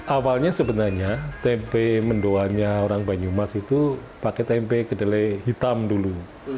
awalnya sebenarnya tempe mendoanya orang banyumas itu pakai tempe kedelai hitam dulu